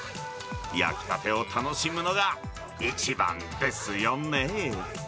焼きたてを楽しむのが一番ですよね。